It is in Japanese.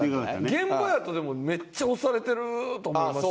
現場やとでもめっちゃ押されてると思いました。